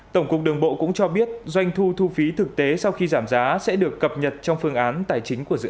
tổng cục đường bộ cũng cho biết doanh thu thu phí thực tế sau khi giảm giá sẽ được cập nhật trong phương án tài chính của dự án